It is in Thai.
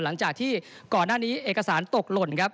หลังจากที่ก่อนหน้านี้เอกสารตกหล่นครับ